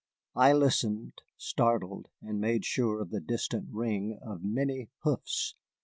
I listened, startled, and made sure of the distant ring of many hoofs.